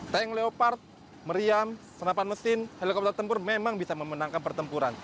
tank leopard meriam senapan mesin helikopter tempur memang bisa memenangkan pertempuran